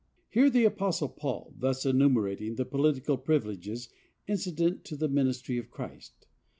Hear the apostle Paul thus enumerating the political privileges incident to the ministry of Christ.